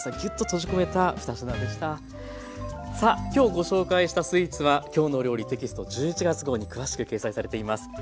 さあ今日ご紹介したスイーツは「きょうの料理」テキスト１１月号に詳しく掲載されています。